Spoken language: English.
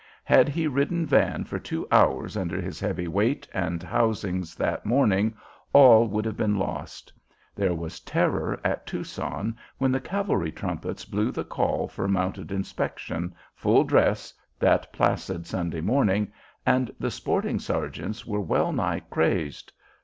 Had he ridden Van for two hours under his heavy weight and housings that morning, all would have been lost. There was terror at Tucson when the cavalry trumpets blew the call for mounted inspection, full dress, that placid Sunday morning, and the sporting sergeants were well nigh crazed.